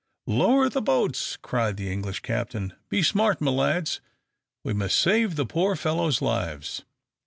"Lower the boats!" cried the English captain. "Be smart, my lads: we must save the poor fellows' lives."